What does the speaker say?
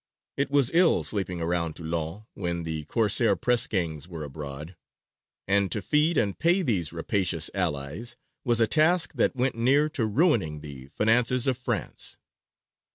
It was ill sleeping around Toulon when the Corsair press gangs were abroad. And to feed and pay these rapacious allies was a task that went near to ruining the finances of France.